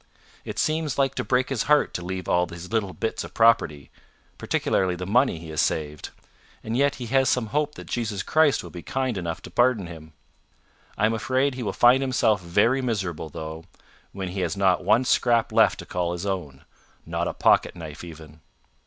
It seems like to break his heart to leave all his little bits of property particularly the money he has saved; and yet he has some hope that Jesus Christ will be kind enough to pardon him. I am afraid he will find himself very miserable though, when he has not one scrap left to call his own not a pocket knife even."